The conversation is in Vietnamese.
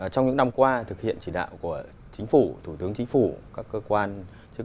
trong những năm qua thực hiện chỉ đạo của chính phủ thủ tướng chính phủ